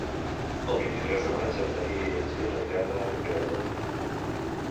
El vint-i-tres de maig en Maria i en Gil aniran a Emperador.